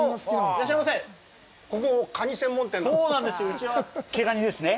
うちは毛ガニですね。